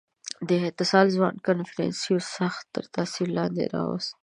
• دې اتصال ځوان کنفوسیوس سخت تر تأثیر لاندې راوست.